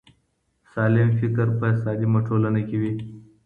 سالم فرد په سالمه ټولنه کي وي.